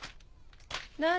何？